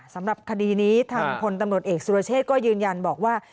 สำหรับคดีนี้ทางพลตำรวจเอกสุรเชษก็ยืนยันบอกว่า